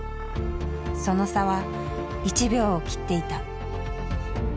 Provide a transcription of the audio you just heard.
その差は１秒を切っていた。